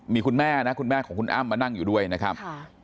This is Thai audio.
มีคุณแม่นะคุณแม่ของคุณอ้ำมานั่งอยู่ด้วยนะครับ